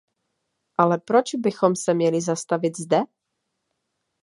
Ale proč bychom se měli zastavit zde?